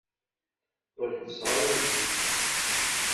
Ur ḥebbseɣ ara tissit.